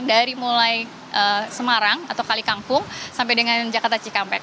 dari mulai semarang atau kalikangkung sampai dengan jakarta cikampek